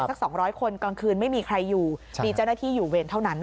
สัก๒๐๐คนกลางคืนไม่มีใครอยู่มีเจ้าหน้าที่อยู่เวรเท่านั้น